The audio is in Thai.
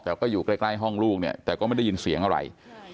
แต่ก็อยู่ใกล้ห้องลูกเนี่ยแต่ก็ไม่ได้ยินเสียงอะไร